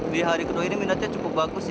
di hari kedua ini minatnya cukup bagus